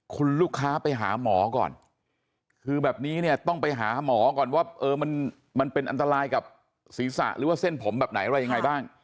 คุณลูกค้าไปหาหมอก่อนคือแบบนี้เนี่ยต้องไปหาหมอก่อนว่ามันเป็นอันตรายกับศีรษะหรือว่าเส้นผมแบบไหนอะไรยังไงบ้าง